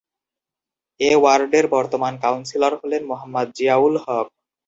এ ওয়ার্ডের বর্তমান কাউন্সিলর হলেন মোহাম্মদ জিয়াউল হক।